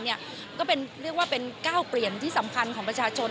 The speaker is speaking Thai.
ก็เรียกว่าเป็นก้าวเปลี่ยนที่สำคัญของประชาชน